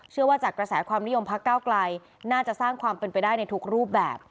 จากกระแสความนิยมพักเก้าไกลน่าจะสร้างความเป็นไปได้ในทุกรูปแบบ